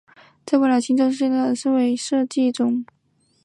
在未来轻轨系统建设上都会将这些无障碍系统列入设计中。